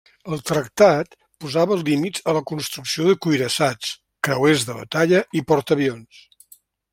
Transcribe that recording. El tractat posava límits a la construcció de cuirassats, creuers de batalla i portaavions.